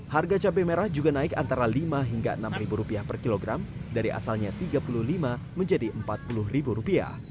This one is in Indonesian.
harga cabai merah juga naik antara rp lima hingga rp enam per kilogram dari asalnya rp tiga puluh lima menjadi rp empat puluh